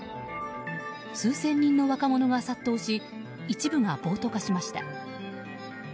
数千人の若者が殺到し一部が暴徒化しました。